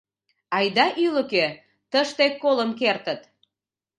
— Айда ӱлыкӧ, тыште колын кертыт.